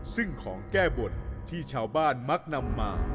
ซึ่งของแก้บนที่ชาวบ้านมักนำมา